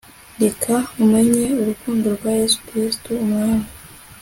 reka umenye urukundo rwa yesu kristo, umwami